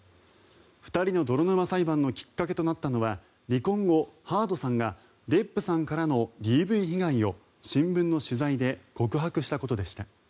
２人の泥沼裁判のきっかけとなったのは離婚後、ハードさんがデップさんからのＤＶ被害を新聞の取材で告白したことでした。